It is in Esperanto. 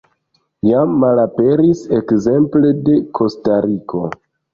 Jam malaperis ekzemple de Kostariko.